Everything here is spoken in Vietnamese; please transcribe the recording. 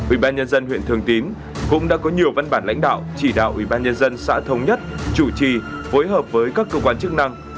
ubnd huyện thường tín cũng đã có nhiều văn bản lãnh đạo chỉ đạo ubnd xã thống nhất chủ trì phối hợp với các cơ quan chức năng